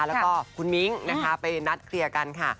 แล้วก็คุณมิ้งนะคะไปนัดเคลียร์กันค่ะ